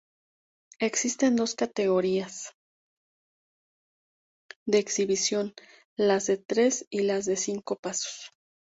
Existen dos categorías de exhibición: las de tres y las de cinco pasos.